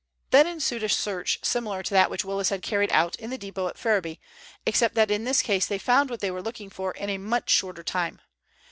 Then ensued a search similar to that which Willis had carried out in the depot at Ferriby, except that in this case they found what they were looking for in a much shorter time.